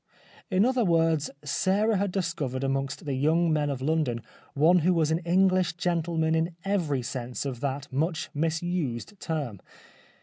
In other words Sarah had discovered amongst the young men of London one who was an English gentleman in every sense of that much misused term.